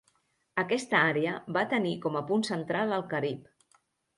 Aquesta Àrea va tenir com a punt central el Carib.